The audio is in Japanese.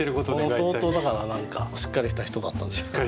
相当だから何かしっかりした人だったんですかね。